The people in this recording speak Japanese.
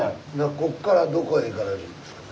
こっからどこへ行かれるんですかね？